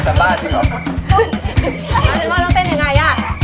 แซมบ้าให้กล้องดูหน่อย